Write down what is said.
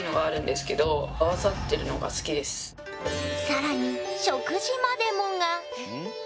更に食事までもが。